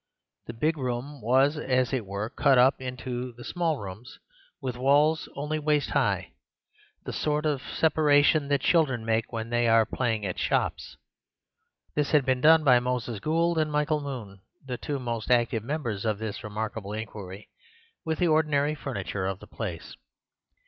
The big room was, as it were, cut up into small rooms, with walls only waist high—the sort of separation that children make when they are playing at shops. This had been done by Moses Gould and Michael Moon (the two most active members of this remarkable inquiry) with the ordinary furniture of the place.